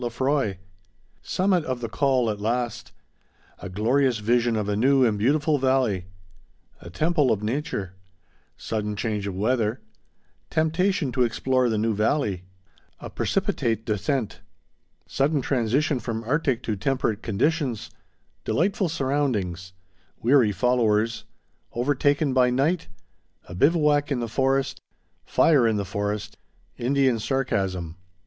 Lefroy—Summit of the Col at Last—A Glorious Vision of a New and Beautiful Valley—A Temple of Nature—Sudden Change of Weather—Temptation to Explore the New Valley—A Precipitate Descent—Sudden Transition from Arctic to Temperate Conditions—Delightful Surroundings—Weary Followers—Overtaken by Night—A Bivouac in the Forest—Fire in the Forest—Indian Sarcasm.